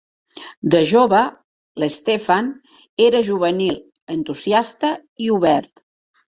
De jove, l'Stephan era juvenil, entusiasta i obert.